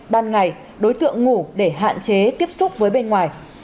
ban ngày đối tượng ngủ để hạn chế tiếp xúc với bên ngoài